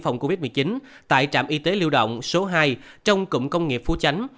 phòng covid một mươi chín tại trạm y tế lưu động số hai trong cụm công nghiệp phú chánh